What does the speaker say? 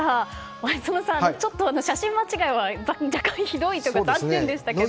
前園さん、ちょっと写真間違いは若干ひどいというか残念でしたけど。